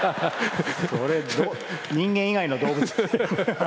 人間以外の動物。